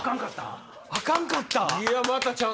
あかんかったん？